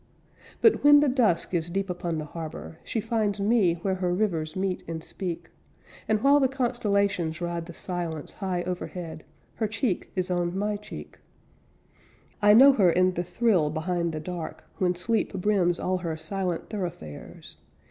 But when the dusk is deep upon the harbor, She finds me where her rivers meet and speak, And while the constellations ride the silence High overhead, her cheek is on my cheek. I know her in the thrill behind the dark When sleep brims all her silent thoroughfares.